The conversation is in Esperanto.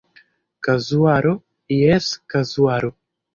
Kazuaro, Jes kazuaro.